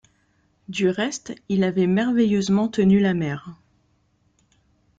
Du reste, il avait merveilleusement tenu la mer.